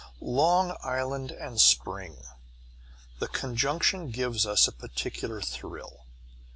Long Island and spring the conjunction gives us a particular thrill.